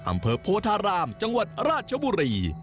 อำเภอโพธารามจังหวัดราชบุรี